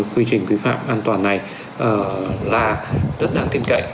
quy trình vi phạm an toàn này là rất đáng tin cậy